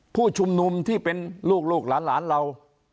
ผู้ชุมนุมที่เป็นลูกหลานเรา